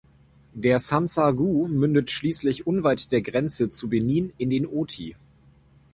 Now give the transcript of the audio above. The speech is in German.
Der Sansargou mündet schließlich unweit der Grenze zu Benin in den Oti.